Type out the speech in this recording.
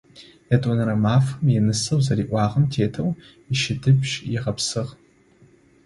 Ятӏонэрэ мафэм инысэ зэриӏуагъэм тетэу ищыдыбжь ыгъэпсыгъ.